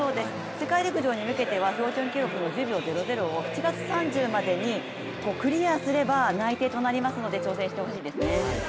世界陸上に向けては標準記録の１０秒００を８月３０日までにクリアすれば内定となりますので挑戦してほしいですね。